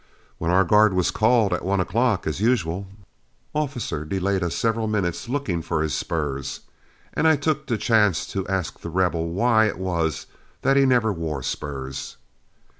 When our guard was called at one o'clock, as usual, Officer delayed us several minutes looking for his spurs, and I took the chance to ask The Rebel why it was that he never wore spurs.